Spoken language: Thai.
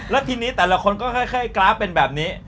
แล้วทีนี้แต่ละคนก็ค่อยกราฟเป็นแบบนี้